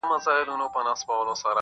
o څه کوه، څه پرېږده!